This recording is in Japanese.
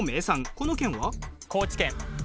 この県は？高知県。